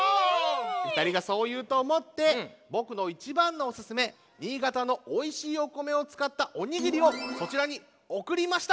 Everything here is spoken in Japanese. ふたりがそういうとおもってぼくのいちばんのおすすめ新潟のおいしいお米をつかったおにぎりをそちらにおくりました！